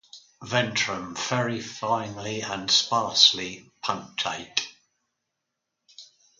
Ventrum very finely and sparsely punctate.